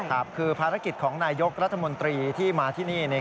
ครับคือภารกิจของนายยกรัฐมนตรีที่มาที่นี่